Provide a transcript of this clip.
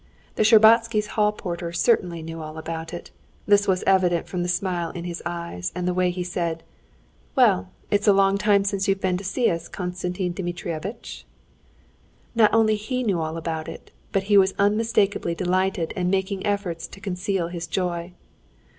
The Shtcherbatskys' hall porter certainly knew all about it. This was evident from the smile in his eyes and the way he said: "Well, it's a long while since you've been to see us, Konstantin Dmitrievitch!" Not only he knew all about it, but he was unmistakably delighted and making efforts to conceal his joy.